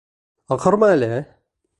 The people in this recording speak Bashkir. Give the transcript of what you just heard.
Аҡырма әле!